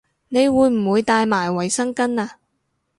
你會唔會帶埋衛生巾吖